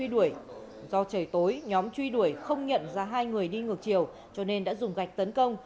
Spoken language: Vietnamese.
bị truy đuổi do trời tối nhóm truy đuổi không nhận ra hai người đi ngược chiều cho nên đã dùng gạch tấn công